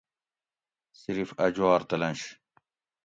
صرف اۤ جوار تلنش